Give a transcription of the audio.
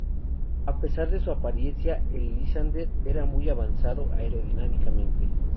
A pesar de su apariencia, el Lysander era muy avanzado aerodinámicamente.